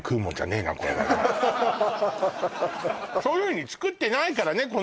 そういうふうに作ってないからね